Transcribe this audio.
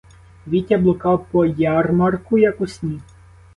Вітя блукав по ярмарку, як у сні.